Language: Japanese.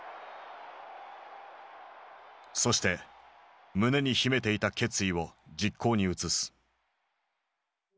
そして胸に秘めていた決意を実行に移す。